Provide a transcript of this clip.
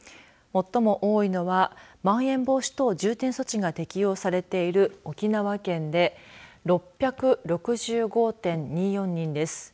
最も多いのはまん延防止等重点措置が適用されている沖縄県で６６５．２４人です。